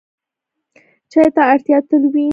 چای ته اړتیا تل وي.